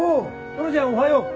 トラちゃんおはよう。